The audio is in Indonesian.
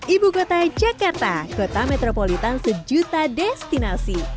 ibu kota jakarta kota metropolitan sejuta destinasi